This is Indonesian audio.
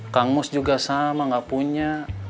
kang mus juga sama gak punya